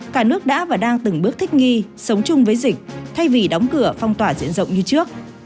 cả nước đã và đang từng bước thích nghi sống chung với dịch thay vì đóng cửa phong tỏa diện rộng như trước